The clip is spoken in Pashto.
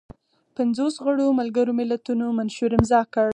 پنځوس غړو ملګرو ملتونو منشور امضا کړ.